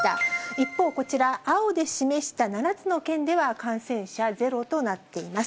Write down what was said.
一方こちら、青で示した７つの県では、感染者ゼロとなっています。